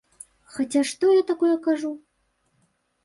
Хаця што я такое кажу?